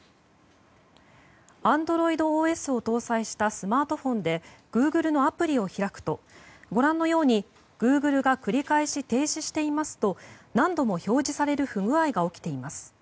アンドロイドＯＳを搭載したスマートフォンでグーグルのアプリを開くとご覧のように、グーグルが繰り返し停止していますと何度も表示される不具合が起きています。